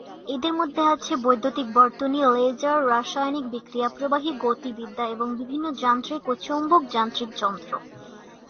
এদের মধ্যে আছে বৈদ্যুতিক বর্তনী, লেজার, রাসায়নিক বিক্রিয়া, প্রবাহী গতিবিদ্যা, এবং বিভিন্ন যান্ত্রিক ও চৌম্বক-যান্ত্রিক যন্ত্র।